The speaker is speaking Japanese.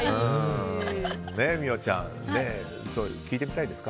美桜ちゃん聴いてみたいですか？